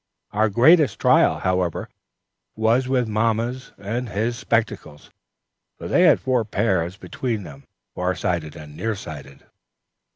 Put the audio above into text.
Our greatest trial, however, was with mamma's and his spectacles, for they had four pairs between them far sighted and near sighted.